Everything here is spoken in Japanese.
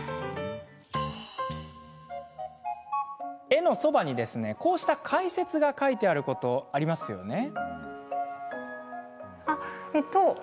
絵のそばにこうした解説が書いてあることありますよね？